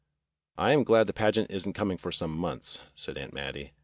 "I am glad the pageant isn't coming for some months," said Aunt Mattie.